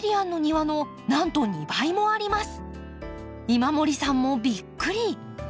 今森さんもびっくり！